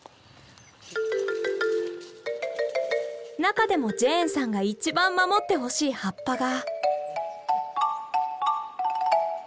中でもジェーンさんが一番守ってほしい葉っぱが。